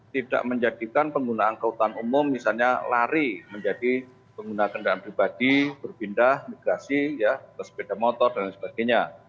tidak menjadikan pengguna angkutan umum misalnya lari menjadi pengguna kendaraan pribadi berpindah migrasi ke sepeda motor dan sebagainya